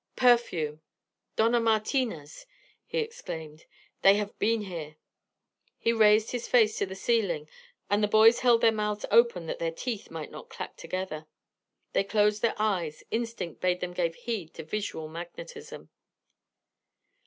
"Perfume Dona Martina's," he exclaimed. "They have been here." He raised his face to the ceiling, and the boys held their mouths open that their teeth might not clack together. They closed their eyes: instinct bade them give heed to visual magnetism.